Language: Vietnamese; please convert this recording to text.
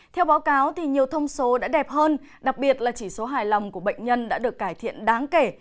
theo báo cáo nhiều thông số đã đẹp hơn đặc biệt là chỉ số hài lòng của bệnh nhân đã được cải thiện đáng kể